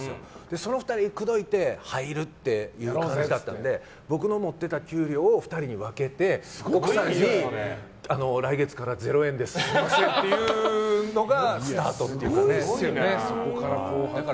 その２人を口説いて入るって感じだったので僕の持っていた給料を２人に分けて来月から０円ですっていうのがスタートっていうか。